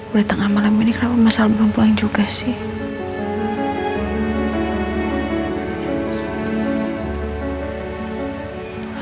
udah tengah malam ini kenapa mas alba belum pulang juga sih